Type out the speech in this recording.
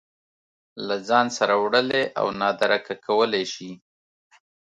له ځان سره وړلی او نادرکه کولی شي